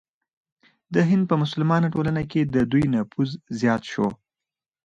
د هند په مسلمانه ټولنه کې د دوی نفوذ زیات شو.